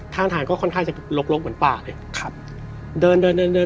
ข้างทางก็ค่อนข้างจะลกเหมือนป้าเลย